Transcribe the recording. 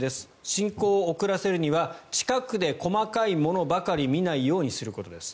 進行を遅らせるには近くで細かいものばかり見ないようにすることです。